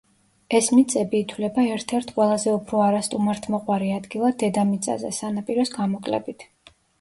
ეს მიწები ითვლება ერთ-ერთ ყველაზე უფრო არასტუმართმოყვარე ადგილად დედამიწაზე, სანაპიროს გამოკლებით.